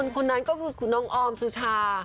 คนนั้นก็คือคุณน้องออมสุชา